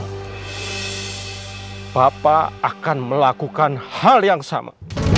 kalau andi ada di posisi kamu papa akan melakukan hal yang sama